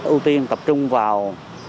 ưu tiên tập trung vào